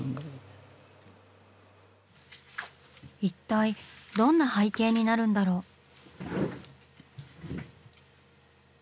一体どんな背景になるんだろう？